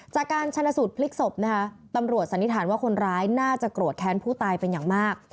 จากการชนะสูตรพลิกศพนะคะตำรวจสันนิษฐานว่าคนร้ายน่าจะโกรธแค้นผู้ตายเป็นอย่างมาก